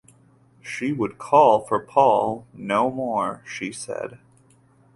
She would call for Paul no more, she said.